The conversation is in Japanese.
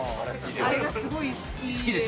あれがすごい好きで。